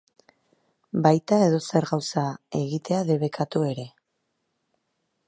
Baita edozer gauza egitea debekatu ere.